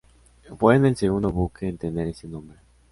Fue el segundo buque en tener ese nombre.